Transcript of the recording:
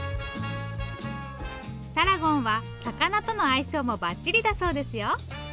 タラゴンは魚との相性もばっちりだそうですよ。